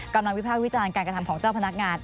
วิภาควิจารณ์การกระทำของเจ้าพนักงาน